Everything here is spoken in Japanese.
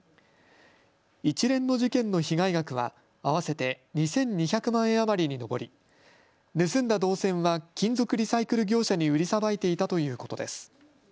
一連の事件の被害額は合わせて２２００万円余りに上り盗んだ銅線は金属リサイクル業者に売りさばいていたということです。